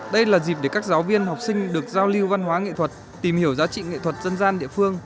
đây là dịp để các giáo viên học sinh được giao lưu văn hóa nghệ thuật tìm hiểu giá trị nghệ thuật dân gian địa phương